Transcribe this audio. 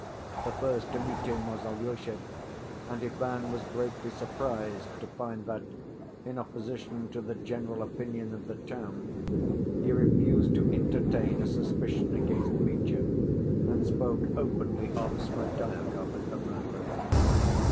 The first to meet him was Alyosha, and Ivan was greatly surprised to find that, in opposition to the general opinion of the town, he refused to entertain a suspicion against Mitya, and spoke openly of Smerdyakov as the murderer.